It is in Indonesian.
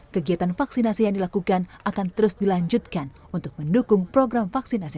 kegiatan vaksinasi yang dilakukan akan terus dilanjutkan untuk mendukung program vaksinasi